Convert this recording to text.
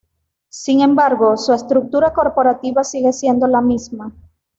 Sin embargo, su estructura corporativa sigue siendo la misma.